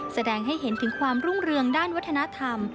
แสดงให้เห็นถึงความรุ่งเรืองด้านวัฒนธรรม